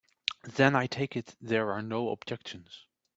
Then I take it there are no objections.